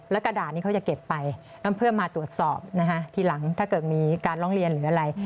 แล้วกระดาษนี้เขาจะเก็บไปเพื่อมาตรวจสอบนะคะทีหลังถ้าเกิดมีการร้องเรียนหรืออะไร